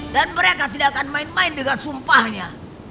dan mereka tidak akan main main dengan sumpahnya